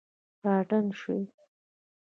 په اتڼ شوي